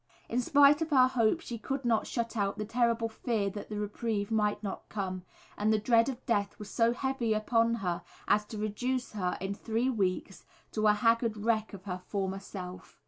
In spite of her hope, she could not shut out the terrible fear that the reprieve might not come, and the dread of death was so heavy upon her as to reduce her in three weeks to a haggard wreck of her former self.